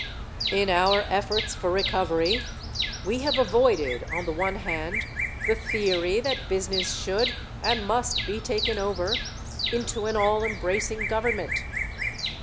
In our efforts for recovery we have avoided on the one hand the theory that business should and must be taken over into an all embracing government.